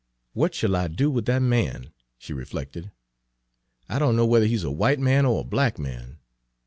"What shall I do with that man?" she reflected. "I don' know whether he 's a w'ite man or a black man.